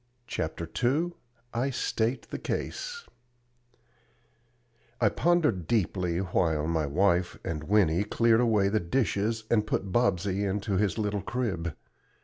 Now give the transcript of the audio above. CHAPTER II I STATE THE CASE I pondered deeply while my wife and Winnie cleared away the dishes and put Bobsey into his little crib.